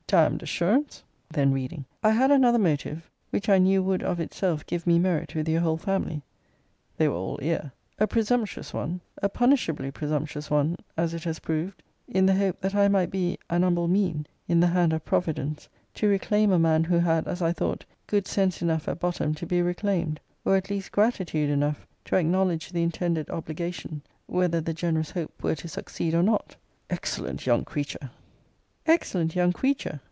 D d assurance! [Then reading.] 'I had another motive, which I knew would of itself give me merit with your whole family: [they were all ear:] a presumptuous one; a punishably presumptuous one, as it has proved: in the hope that I might be an humble mean, in the hand of Providence, to reclaim a man who had, as I thought, good sense enough at bottom to be reclaimed; or at least gratitude enough to acknowledge the intended obligation, whether the generous hope were to succeed or not.' Excellent young creature! Excellent young creature!